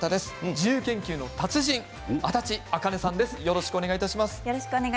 自由研究の達人、安達茜さんです。